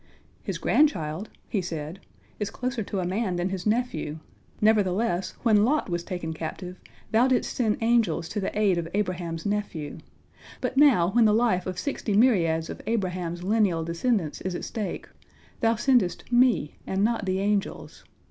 "His grandchild," he said, "is closer to a man than his nephew. Nevertheless when Lot was taken captive, Thou didst send angels to the aid of Abraham's nephew. But now, when the life of sixty myriads of Abraham's lineal descendants is at stake, Thou sendest me, and not the angels.